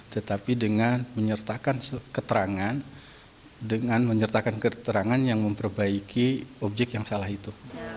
tetapi dengan menyertakan keterangan dengan menyertakan keterangan yang memperbaiki objek yang salah itu